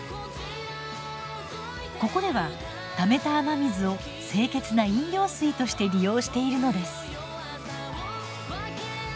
ここではためた雨水を清潔な飲料水として利用しているのです。